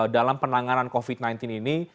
dalam penanganan covid sembilan belas ini